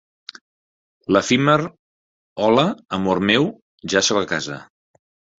L'efímer "Hola, amor meu, ja soc a casa!".